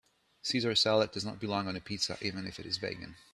Caesar salad does not belong on a pizza even it it is vegan.